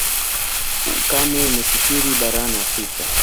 Ukame umekithiri barani Afrika.